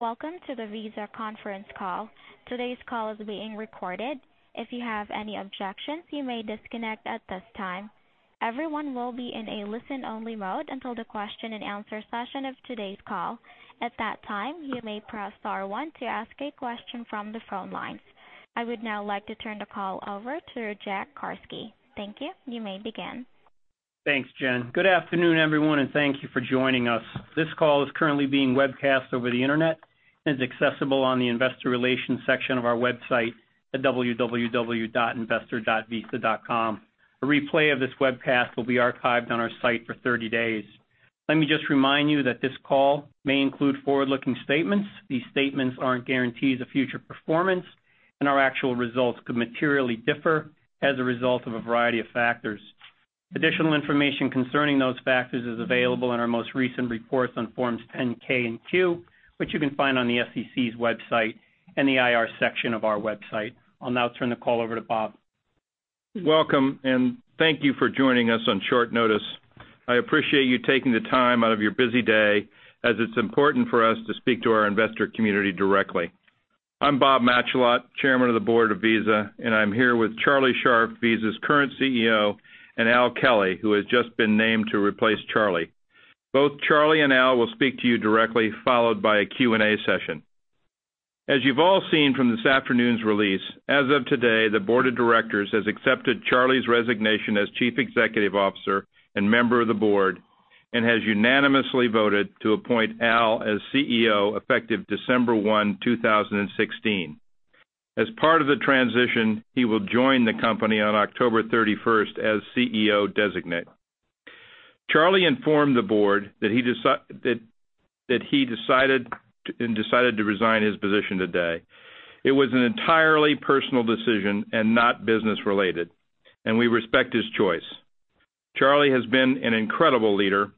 Welcome to the Visa conference call. Today's call is being recorded. If you have any objections, you may disconnect at this time. Everyone will be in a listen-only mode until the question and answer session of today's call. At that time, you may press star one to ask a question from the phone lines. I would now like to turn the call over to Jack Carsky. Thank you. You may begin. Thanks, Jen. Good afternoon, everyone, and thank you for joining us. This call is currently being webcast over the internet and is accessible on the investor relations section of our website at www.investor.visa.com. A replay of this webcast will be archived on our site for 30 days. Let me just remind you that this call may include forward-looking statements. These statements aren't guarantees of future performance and our actual results could materially differ as a result of a variety of factors. Additional information concerning those factors is available in our most recent reports on forms 10-K and Q, which you can find on the SEC's website and the IR section of our website. I'll now turn the call over to Bob. Welcome and thank you for joining us on short notice. I appreciate you taking the time out of your busy day as it's important for us to speak to our investor community directly. I'm Bob Matschullat, Chairman of the Board of Visa, and I'm here with Charlie Scharf, Visa's current CEO, and Al Kelly, who has just been named to replace Charlie. Both Charlie and Al will speak to you directly, followed by a Q&A session. As you've all seen from this afternoon's release, as of today, the board of directors has accepted Charlie's resignation as Chief Executive Officer and member of the board and has unanimously voted to appoint Al as CEO effective December 1, 2016. As part of the transition, he will join the company on October 31st as CEO Designate. Charlie informed the board that he decided to resign his position today. It was an entirely personal decision and not business-related, and we respect his choice. Charlie has been an incredible leader.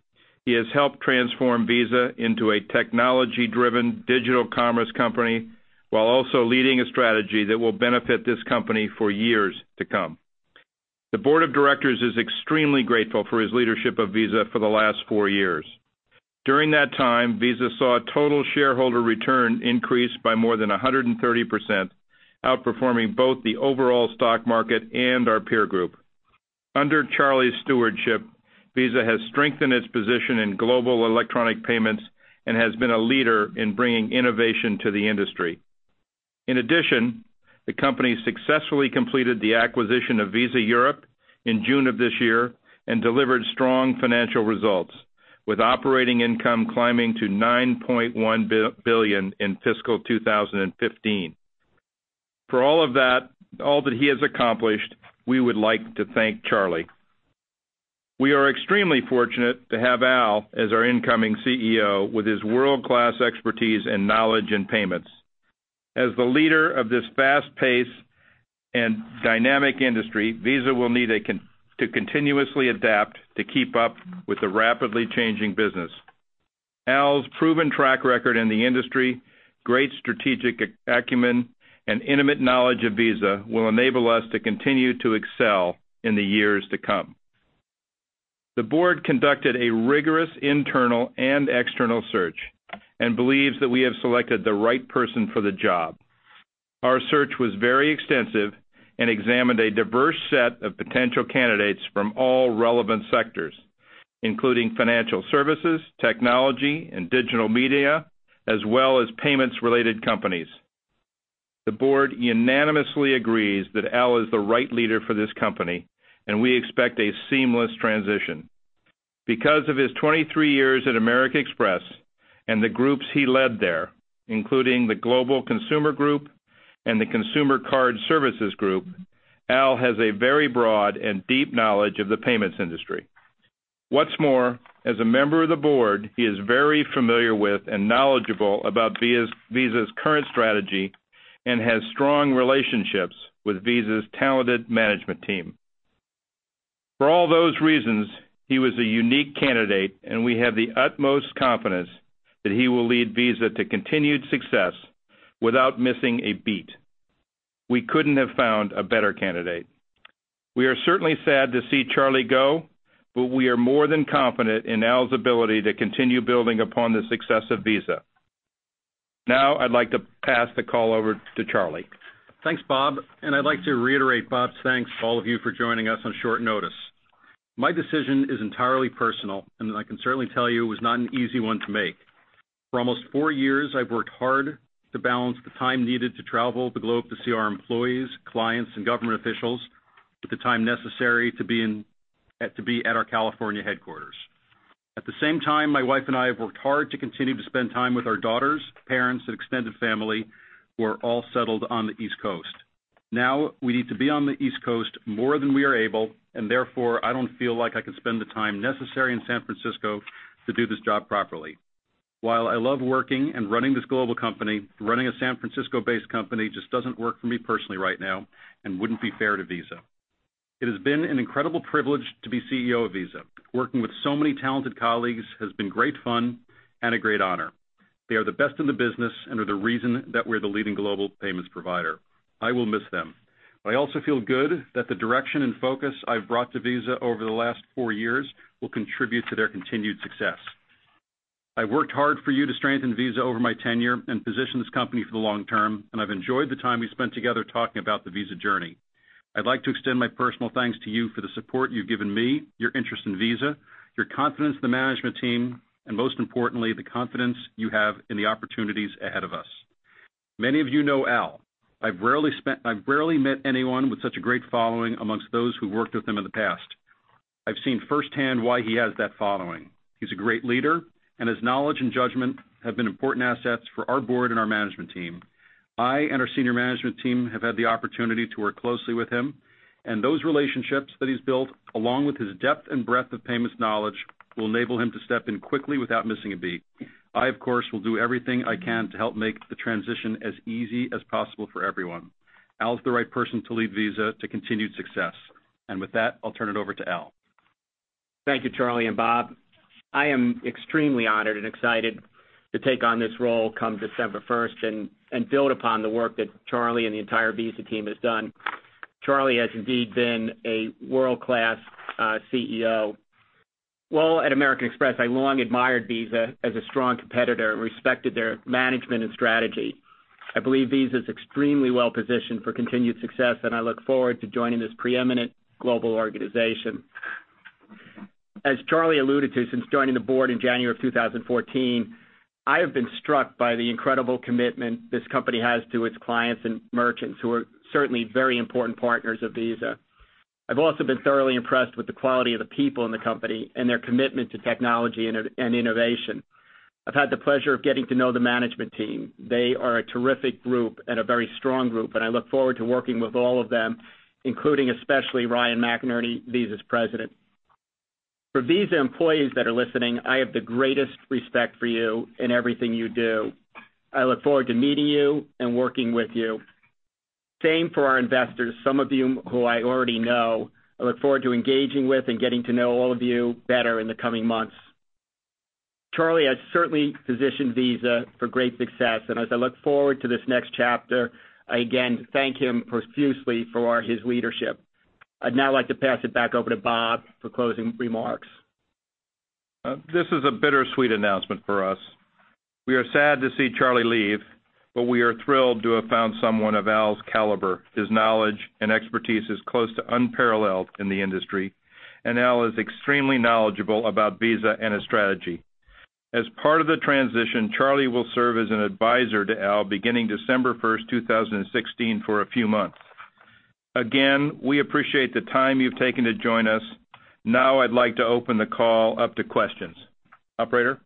He has helped transform Visa into a technology-driven digital commerce company while also leading a strategy that will benefit this company for years to come. The board of directors is extremely grateful for his leadership of Visa for the last four years. During that time, Visa saw total shareholder return increase by more than 130%, outperforming both the overall stock market and our peer group. Under Charlie's stewardship, Visa has strengthened its position in global electronic payments and has been a leader in bringing innovation to the industry. In addition, the company successfully completed the acquisition of Visa Europe in June of this year and delivered strong financial results, with operating income climbing to $9.1 billion in fiscal 2015. For all that he has accomplished, we would like to thank Charlie. We are extremely fortunate to have Al as our incoming CEO with his world-class expertise and knowledge in payments. As the leader of this fast-paced and dynamic industry, Visa will need to continuously adapt to keep up with the rapidly changing business. Al's proven track record in the industry, great strategic acumen, and intimate knowledge of Visa will enable us to continue to excel in the years to come. The Board conducted a rigorous internal and external search and believes that we have selected the right person for the job. Our search was very extensive and examined a diverse set of potential candidates from all relevant sectors, including financial services, technology, and digital media, as well as payments-related companies. The Board unanimously agrees that Al is the right leader for this company, and we expect a seamless transition. Because of his 23 years at American Express and the groups he led there, including the Global Consumer Group and the Consumer Card Services Group, Al has a very broad and deep knowledge of the payments industry. What's more, as a member of the Board, he is very familiar with and knowledgeable about Visa's current strategy and has strong relationships with Visa's talented management team. For all those reasons, he was a unique candidate, and we have the utmost confidence that he will lead Visa to continued success without missing a beat. We couldn't have found a better candidate. We are certainly sad to see Charlie go, but we are more than confident in Al's ability to continue building upon the success of Visa. I'd like to pass the call over to Charlie. Thanks, Bob. I'd like to reiterate Bob's thanks to all of you for joining us on short notice. My decision is entirely personal, and I can certainly tell you it was not an easy one to make. For almost four years, I've worked hard to balance the time needed to travel the globe to see our employees, clients, and government officials with the time necessary to be at our California headquarters. At the same time, my wife and I have worked hard to continue to spend time with our daughters, parents, and extended family, who are all settled on the East Coast. We need to be on the East Coast more than we are able, and therefore, I don't feel like I can spend the time necessary in San Francisco to do this job properly. I love working and running this global company, running a San Francisco-based company just doesn't work for me personally right now and wouldn't be fair to Visa. It has been an incredible privilege to be CEO of Visa. Working with so many talented colleagues has been great fun and a great honor. They are the best in the business and are the reason that we're the leading global payments provider. I will miss them. I also feel good that the direction and focus I've brought to Visa over the last four years will contribute to their continued success. I've worked hard for you to strengthen Visa over my tenure and position this company for the long term, and I've enjoyed the time we spent together talking about the Visa journey. I'd like to extend my personal thanks to you for the support you've given me, your interest in Visa, your confidence in the management team, and most importantly, the confidence you have in the opportunities ahead of us. Many of you know Al. I've rarely met anyone with such a great following amongst those who worked with him in the past. I've seen firsthand why he has that following. He's a great leader, and his knowledge and judgment have been important assets for our board and our management team. I and our senior management team have had the opportunity to work closely with him. Those relationships that he's built, along with his depth and breadth of payments knowledge, will enable him to step in quickly without missing a beat. I, of course, will do everything I can to help make the transition as easy as possible for everyone. Al's the right person to lead Visa to continued success. With that, I'll turn it over to Al. Thank you, Charlie and Bob. I am extremely honored and excited to take on this role come December 1st and build upon the work that Charlie and the entire Visa team has done. Charlie has indeed been a world-class CEO. While at American Express, I long admired Visa as a strong competitor and respected their management and strategy. I believe Visa is extremely well-positioned for continued success, and I look forward to joining this preeminent global organization. As Charlie alluded to, since joining the board in January of 2014, I have been struck by the incredible commitment this company has to its clients and merchants, who are certainly very important partners of Visa. I've also been thoroughly impressed with the quality of the people in the company and their commitment to technology and innovation. I've had the pleasure of getting to know the management team. They are a terrific group and a very strong group, and I look forward to working with all of them, including, especially Ryan McInerney, Visa's President. For Visa employees that are listening, I have the greatest respect for you and everything you do. I look forward to meeting you and working with you. Same for our investors, some of you who I already know. I look forward to engaging with and getting to know all of you better in the coming months. Charlie has certainly positioned Visa for great success. As I look forward to this next chapter, I again thank him profusely for his leadership. I'd now like to pass it back over to Bob for closing remarks. This is a bittersweet announcement for us. We are sad to see Charlie leave, but we are thrilled to have found someone of Al's caliber. His knowledge and expertise is close to unparalleled in the industry, and Al is extremely knowledgeable about Visa and its strategy. As part of the transition, Charlie will serve as an advisor to Al beginning December 1st, 2016, for a few months. Again, we appreciate the time you've taken to join us. I'd like to open the call up to questions. Operator?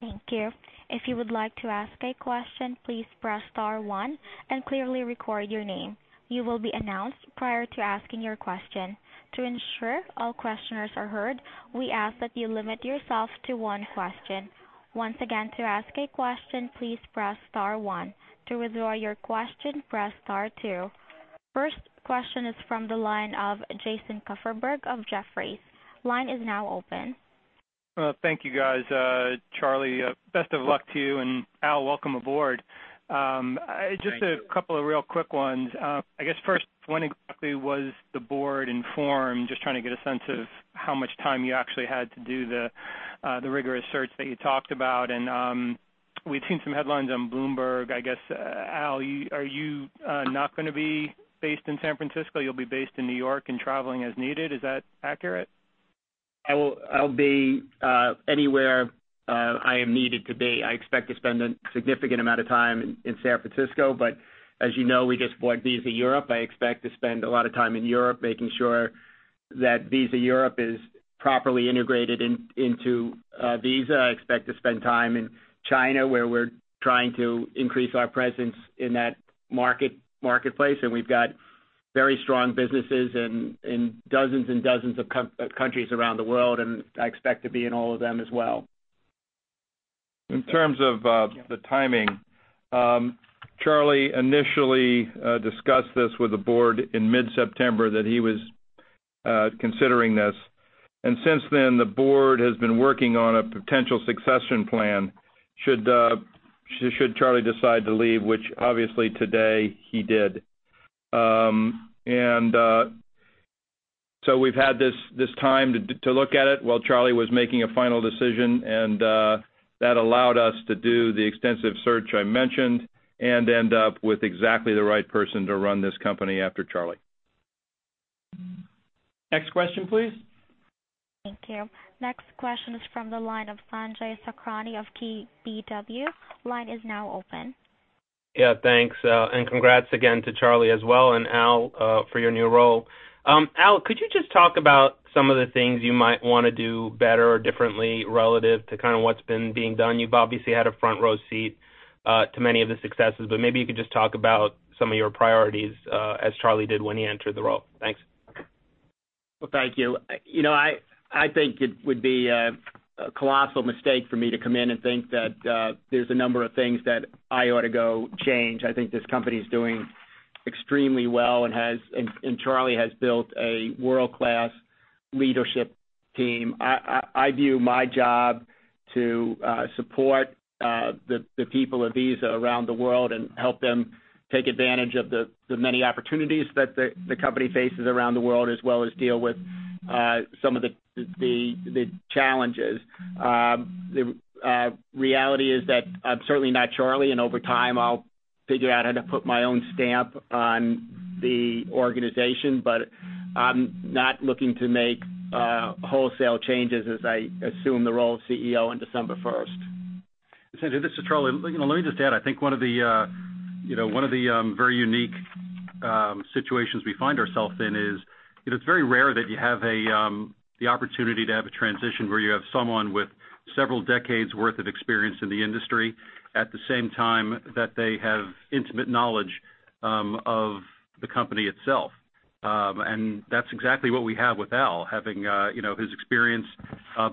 Thank you. If you would like to ask a question, please press star one and clearly record your name. You will be announced prior to asking your question. To ensure all questioners are heard, we ask that you limit yourself to one question. Once again, to ask a question, please press star one. To withdraw your question, press star two. First question is from the line of Jason Kupferberg of Jefferies. Line is now open. Thank you guys. Charlie, best of luck to you, Al, welcome aboard. Thank you. I guess first, when exactly was the board informed? Just trying to get a sense of how much time you actually had to do the rigorous search that you talked about. We've seen some headlines on Bloomberg. I guess, Al, are you not going to be based in San Francisco? You'll be based in New York and traveling as needed. Is that accurate? I'll be anywhere I am needed to be. I expect to spend a significant amount of time in San Francisco. As you know, we just bought Visa Europe. I expect to spend a lot of time in Europe making sure that Visa Europe is properly integrated into Visa. I expect to spend time in China, where we're trying to increase our presence in that marketplace. We've got very strong businesses in dozens and dozens of countries around the world, and I expect to be in all of them as well. In terms of the timing, Charlie initially discussed this with the board in mid-September that he was considering this. Since then, the board has been working on a potential succession plan should Charlie decide to leave, which obviously today he did. We've had this time to look at it while Charlie was making a final decision, and that allowed us to do the extensive search I mentioned and end up with exactly the right person to run this company after Charlie. Next question, please. Thank you. Next question is from the line of Sanjay Sakhrani of KBW. Line is now open. Yeah, thanks. Congrats again to Charlie as well, and Al, for your new role. Al, could you just talk about some of the things you might want to do better or differently relative to kind of what's been being done? You've obviously had a front row seat to many of the successes, maybe you could just talk about some of your priorities as Charlie did when he entered the role. Thanks. Well, thank you. I think it would be a colossal mistake for me to come in and think that there's a number of things that I ought to go change. I think this company's doing extremely well Charlie has built a world-class Leadership team. I view my job to support the people of Visa around the world and help them take advantage of the many opportunities that the company faces around the world, as well as deal with some of the challenges. The reality is that I'm certainly not Charlie, over time, I'll figure out how to put my own stamp on the organization. I'm not looking to make wholesale changes as I assume the role of CEO on December 1st. Sanjay, this is Charlie. Let me just add, I think one of the very unique situations we find ourselves in is, it's very rare that you have the opportunity to have a transition where you have someone with several decades worth of experience in the industry, at the same time that they have intimate knowledge of the company itself. That's exactly what we have with Al, having his experience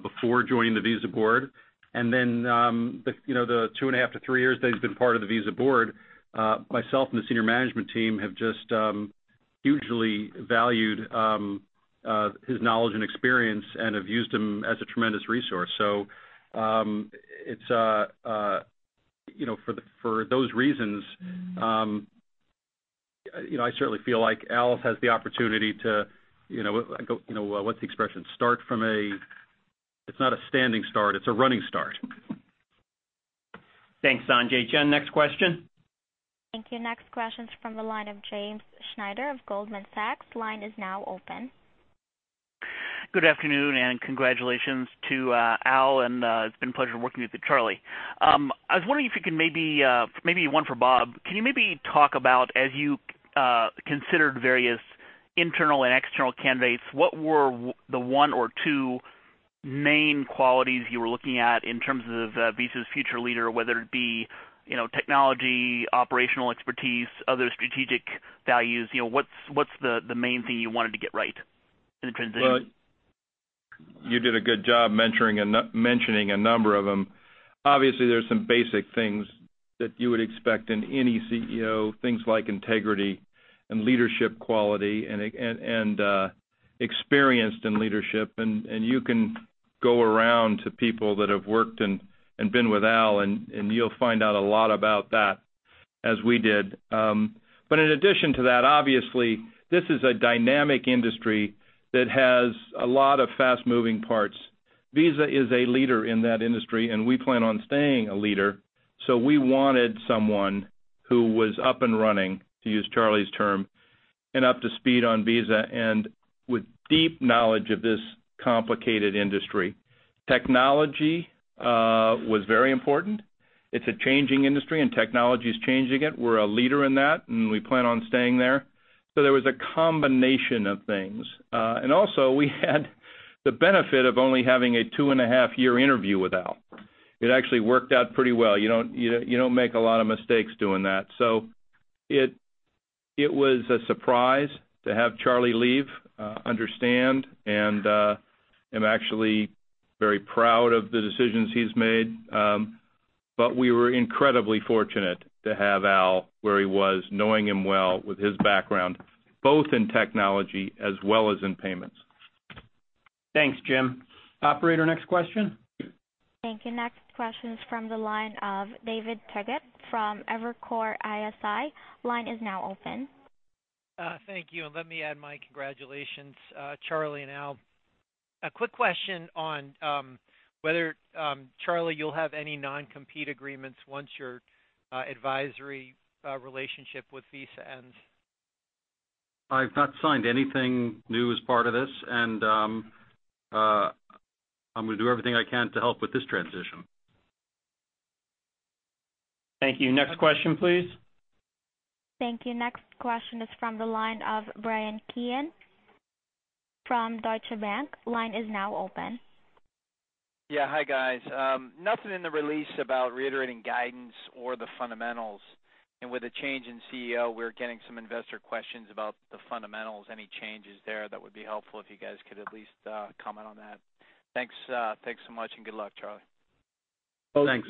before joining the Visa board, then the two and a half to three years that he's been part of the Visa board. Myself and the senior management team have just hugely valued his knowledge and experience and have used him as a tremendous resource. For those reasons, I certainly feel like Al has the opportunity to, what's the expression? It's not a standing start, it's a running start. Thanks, Sanjay. Jen, next question. Thank you. Next question's from the line of James Schneider of Goldman Sachs. Line is now open. Good afternoon and congratulations to Al, it's been a pleasure working with you, Charlie. I was wondering if you can maybe, one for Bob, can you maybe talk about, as you considered various internal and external candidates, what were the one or two main qualities you were looking at in terms of Visa's future leader, whether it be technology, operational expertise, other strategic values? What's the main thing you wanted to get right in the transition? Well, you did a good job mentioning a number of them. Obviously, there's some basic things that you would expect in any CEO, things like integrity and leadership quality and experienced in leadership. You can go around to people that have worked and been with Al, you'll find out a lot about that, as we did. In addition to that, obviously, this is a dynamic industry that has a lot of fast-moving parts. Visa is a leader in that industry, we plan on staying a leader. We wanted someone who was up and running, to use Charlie's term, up to speed on Visa and with deep knowledge of this complicated industry. Technology was very important. It's a changing industry, technology's changing it. We're a leader in that, we plan on staying there. There was a combination of things. Also we had the benefit of only having a two-and-a-half year interview with Al. It actually worked out pretty well. You don't make a lot of mistakes doing that. It was a surprise to have Charlie leave. Understand, and I'm actually very proud of the decisions he's made. We were incredibly fortunate to have Al where he was, knowing him well with his background, both in technology as well as in payments. Thanks, Jim. Operator, next question. Thank you. Next question is from the line of David Togut from Evercore ISI. Line is now open. Thank you. Let me add my congratulations, Charlie and Al. A quick question on whether, Charlie, you'll have any non-compete agreements once your advisory relationship with Visa ends. I've not signed anything new as part of this, and I'm going to do everything I can to help with this transition. Thank you. Next question, please. Thank you. Next question is from the line of Bryan Keane from Deutsche Bank. Line is now open. Yeah. Hi, guys. Nothing in the release about reiterating guidance or the fundamentals. With the change in CEO, we're getting some investor questions about the fundamentals. Any changes there? That would be helpful if you guys could at least comment on that. Thanks so much, and good luck, Charlie. Thanks.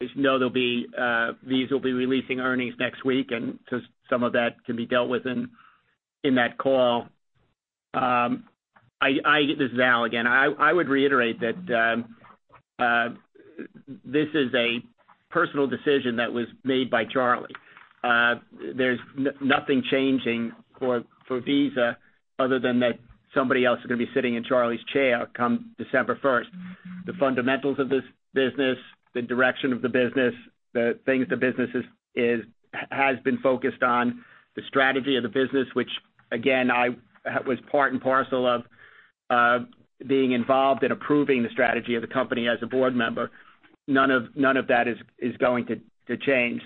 As you know, Visa will be releasing earnings next week, some of that can be dealt with in that call. This is Al again. I would reiterate that this is a personal decision that was made by Charlie. There's nothing changing for Visa other than that somebody else is going to be sitting in Charlie's chair come December 1st. The fundamentals of this business, the direction of the business, the things the business has been focused on, the strategy of the business, which again, I was part and parcel of being involved in approving the strategy of the company as a board member, none of that is going to change.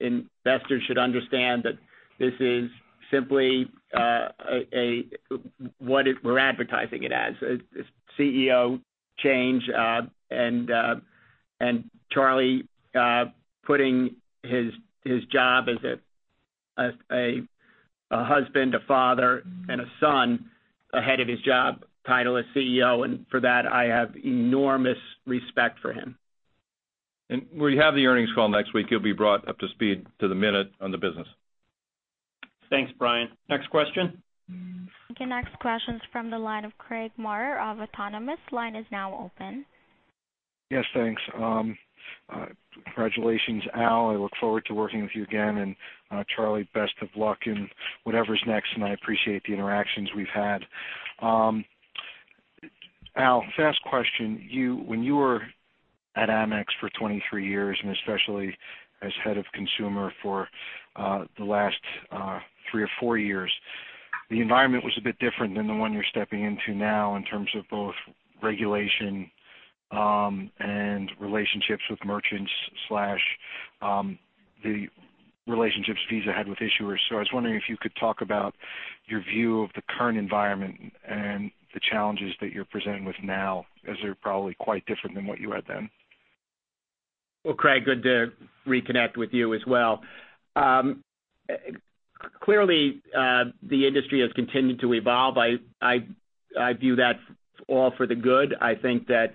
Investors should understand that this is simply what we're advertising it as, a CEO change, and Charlie putting his job as a husband, a father, and a son ahead of his job title as CEO, and for that, I have enormous respect for him. When you have the earnings call next week, you'll be brought up to speed to the minute on the business. Thanks, Bryan. Next question. Okay. Next question is from the line of Craig Maurer of Autonomous. Line is now open. Yes, thanks. Congratulations, Al. I look forward to working with you again, and Charlie, best of luck in whatever's next, and I appreciate the interactions we've had. Al, first question. When you were at Amex for 23 years, and especially as head of consumer for the last three or four years, the environment was a bit different than the one you're stepping into now in terms of both regulation and relationships with merchants, slash the relationships Visa had with issuers. I was wondering if you could talk about your view of the current environment and the challenges that you're presented with now, as they're probably quite different than what you had then. Well, Craig, good to reconnect with you as well. Clearly, the industry has continued to evolve. I view that all for the good. I think that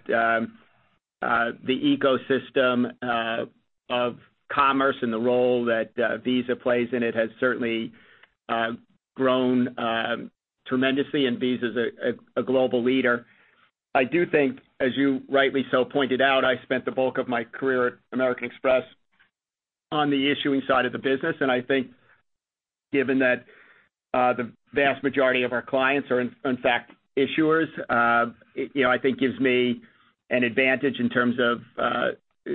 the ecosystem of commerce and the role that Visa plays in it has certainly grown tremendously, and Visa's a global leader. I do think, as you rightly so pointed out, I spent the bulk of my career at American Express on the issuing side of the business, and I think given that the vast majority of our clients are in fact issuers, I think gives me an advantage in terms of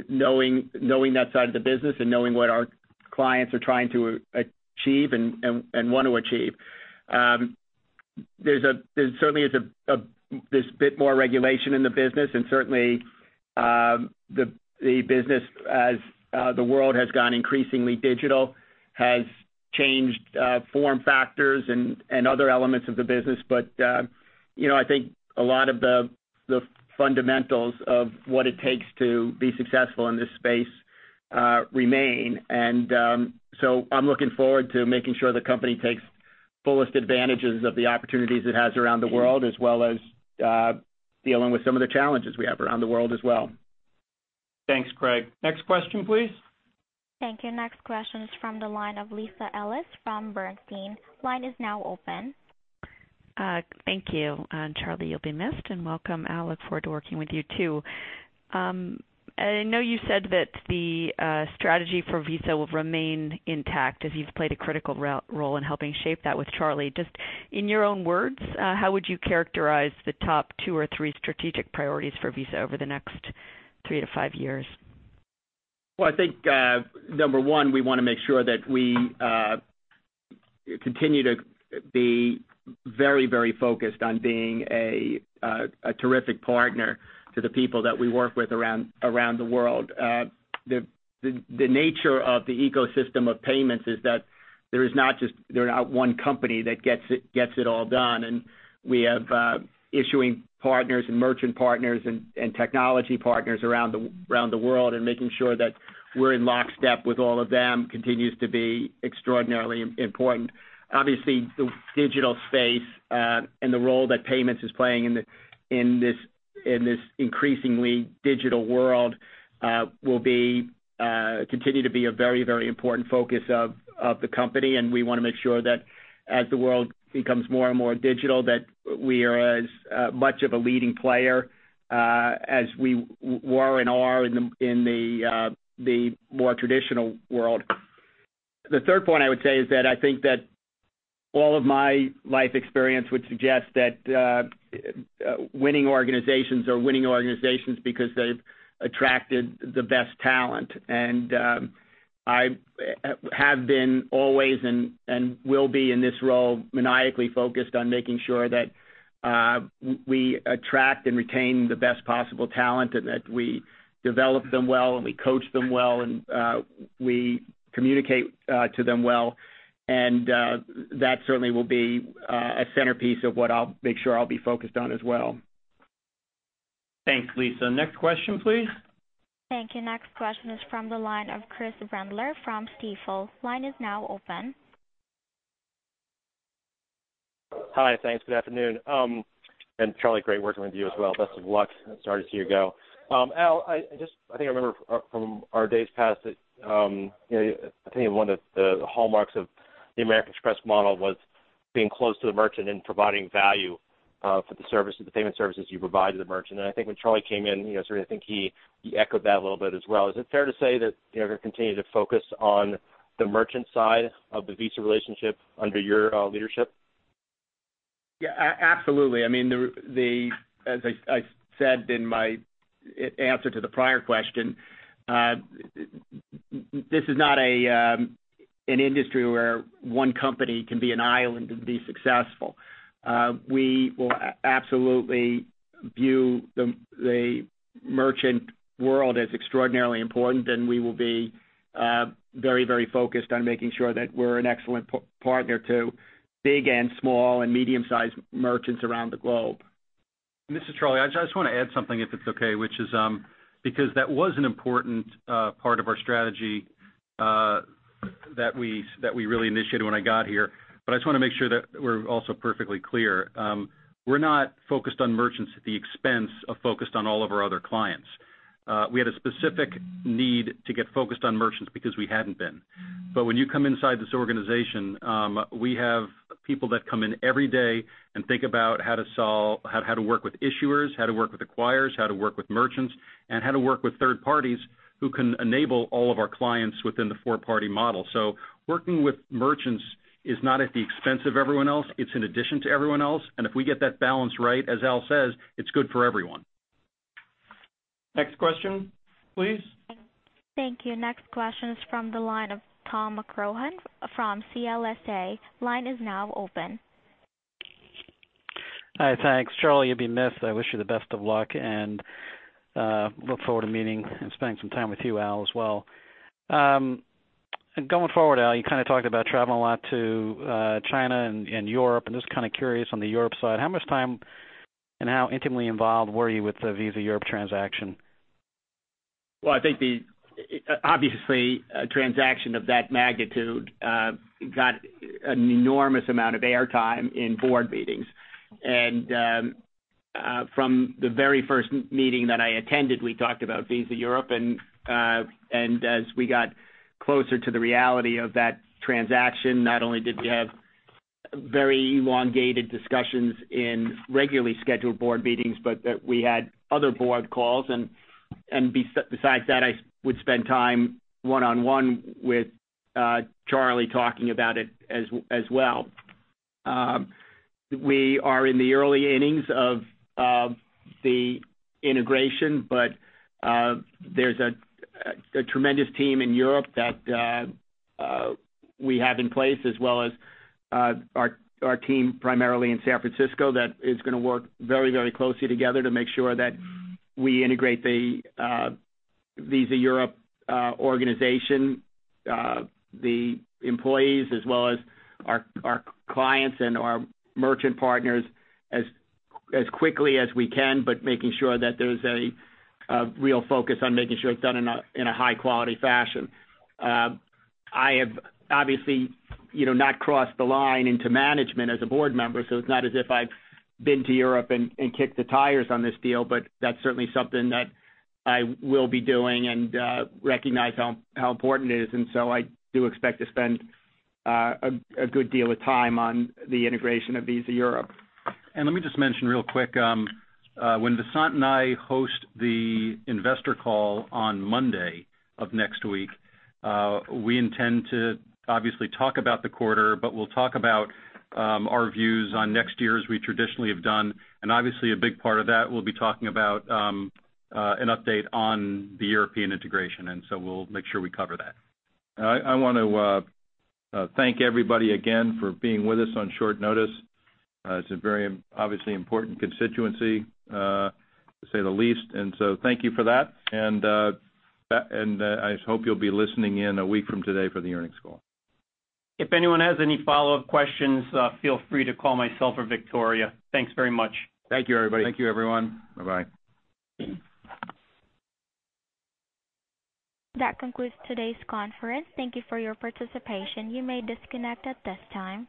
knowing that side of the business and knowing what our clients are trying to achieve and want to achieve. There certainly is a bit more regulation in the business and certainly the business, as the world has gone increasingly digital, has changed form factors and other elements of the business. I think a lot of the fundamentals of what it takes to be successful in this space remain. I'm looking forward to making sure the company takes fullest advantages of the opportunities it has around the world, as well as dealing with some of the challenges we have around the world as well. Thanks, Craig Maurer. Next question, please. Thank you. Next question is from the line of Lisa Ellis from Bernstein. Line is now open. Thank you. Charlie, you'll be missed, welcome, Al. Look forward to working with you too. I know you said that the strategy for Visa will remain intact as you've played a critical role in helping shape that with Charlie. In your own words, how would you characterize the top two or three strategic priorities for Visa over the next three to five years? Well, I think, number 1, we want to make sure that we continue to be very focused on being a terrific partner to the people that we work with around the world. The nature of the ecosystem of payments is that there is not one company that gets it all done, and we have issuing partners and merchant partners and technology partners around the world, and making sure that we're in lockstep with all of them continues to be extraordinarily important. Obviously, the digital space and the role that payments is playing in this increasingly digital world will continue to be a very important focus of the company. We want to make sure that as the world becomes more and more digital, that we are as much of a leading player as we were and are in the more traditional world. The third point I would say is that I think that all of my life experience would suggest that winning organizations are winning organizations because they've attracted the best talent. I have been always and will be in this role maniacally focused on making sure that we attract and retain the best possible talent and that we develop them well and we coach them well and we communicate to them well. That certainly will be a centerpiece of what I'll make sure I'll be focused on as well. Thanks, Lisa. Next question, please. Thank you. Next question is from the line of Chris Brendler from Stifel. Line is now open. Hi, thanks. Good afternoon. Charlie, great working with you as well. Best of luck. Sorry to see you go. Al, I think I remember from our days past that I think one of the hallmarks of the American Express model was being close to the merchant and providing value for the payment services you provide to the merchant. I think when Charlie came in, I think he echoed that a little bit as well. Is it fair to say that you're going to continue to focus on the merchant side of the Visa relationship under your leadership? Yeah, absolutely. I mean, as I said in my answer to the prior question, this is not an industry where one company can be an island and be successful. We will absolutely view the merchant world as extraordinarily important, and we will be very focused on making sure that we're an excellent partner to big and small and medium-sized merchants around the globe. This is Charlie. I just want to add something, if it's okay. That was an important part of our strategy that we really initiated when I got here. I just want to make sure that we're also perfectly clear. We're not focused on merchants at the expense of focused on all of our other clients. We had a specific need to get focused on merchants because we hadn't been. When you come inside this organization, we have people that come in every day and think about how to work with issuers, how to work with acquirers, how to work with merchants, and how to work with third parties who can enable all of our clients within the Four Party Model. Working with merchants is not at the expense of everyone else. It's in addition to everyone else. If we get that balance right, as Al says, it's good for everyone. Next question, please. Thank you. Next question is from the line of Tom McCrohan from CLSA. Line is now open. Hi, thanks. Charlie, you'll be missed. I wish you the best of luck and look forward to meeting and spending some time with you, Al, as well. Going forward, Al, you kind of talked about traveling a lot to China and Europe, and just kind of curious on the Europe side, how much time and how intimately involved were you with the Visa Europe transaction? I think obviously a transaction of that magnitude got an enormous amount of air time in board meetings. From the very first meeting that I attended, we talked about Visa Europe. As we got closer to the reality of that transaction, not only did we have very elongated discussions in regularly scheduled board meetings, we had other board calls. Besides that, I would spend time one-on-one with Charlie talking about it as well. We are in the early innings of the integration, there's a tremendous team in Europe that we have in place as well as our team primarily in San Francisco that is going to work very closely together to make sure that we integrate the Visa Europe organization, the employees, as well as our clients and our merchant partners as quickly as we can. Making sure that there's a real focus on making sure it's done in a high-quality fashion. I have obviously not crossed the line into management as a board member, so it's not as if I've been to Europe and kicked the tires on this deal, that's certainly something that I will be doing and recognize how important it is. I do expect to spend a good deal of time on the integration of Visa Europe. Let me just mention real quick, when Vasant and I host the investor call on Monday of next week, we intend to obviously talk about the quarter, but we'll talk about our views on next year as we traditionally have done. Obviously a big part of that will be talking about an update on the European integration, and so we'll make sure we cover that. I want to thank everybody again for being with us on short notice. It's a very obviously important constituency, to say the least. So thank you for that, and I hope you'll be listening in a week from today for the earnings call. If anyone has any follow-up questions, feel free to call myself or Victoria. Thanks very much. Thank you, everybody. Thank you, everyone. Bye bye. That concludes today's conference. Thank you for your participation. You may disconnect at this time.